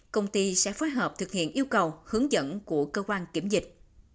công ty sẽ phối hợp thực hiện yêu cầu hướng dẫn của cơ quan kiểm dịch